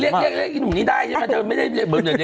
เรียกอีหนุ่มนี้ได้ไม่ได้เบิร์งเดียวเนี้ย